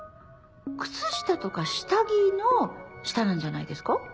靴下とか下着の「下」なんじゃないですか？